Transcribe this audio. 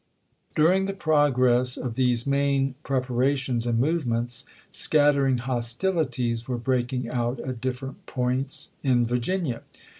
During the progress of these main preparations and movements, scattering hostilities were break ing out at different points in Vii'ginia.